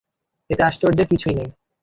এতে আশ্চর্যের কিছুই নেই।